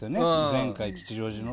前回、吉祥寺の。